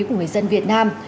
của người dân việt nam